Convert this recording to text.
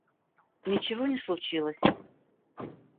Ничего не случилось